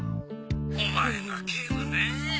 お前が警部ねぇ。